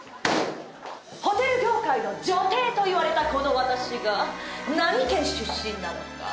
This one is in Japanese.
ホテル業界の女帝といわれたこの私が何県出身なのか。